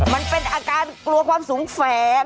มันเป็นอาการกลัวความสูงแฝง